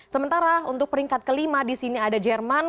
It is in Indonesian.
sementara untuk peringkat kelima disini ada jerman